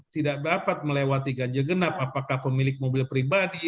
tidak dapat melewati ganjil genap apakah pemilik mobil pribadi